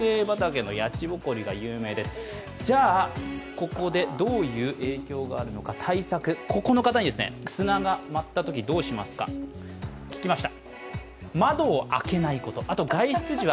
ここでどういう影響があるのか、対策、ここの方に、砂が舞ったときどうしますか、聞きました。